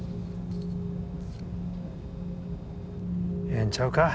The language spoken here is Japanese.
ええんちゃうか？